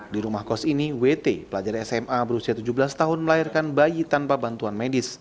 di rumah kos ini wt pelajar sma berusia tujuh belas tahun melahirkan bayi tanpa bantuan medis